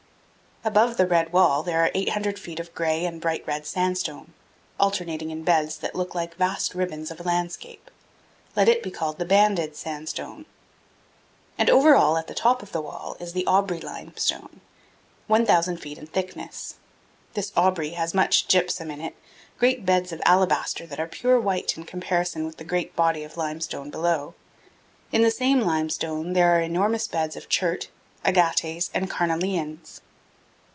Above the red wall there are 800 feet of gray and bright red sandstone, alternating in beds that look like vast ribbons of landscape. Let it be called the banded sandstone. And over all, at the top of the wall, is the Aubrey limestone, 1,000 feet in thickness. This Aubrey has much gypsum in it, great beds of alabaster that are pure white in comparison with the great body of limestone below. In the same limestone there are enormous beds of chert, agates, and carnelians.